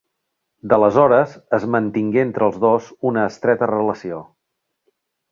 D'aleshores es mantingué entre els dos una estreta relació.